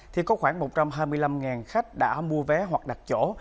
thì có khoảng một trăm hai mươi năm khách đã mua vé hoặc đặt chỗ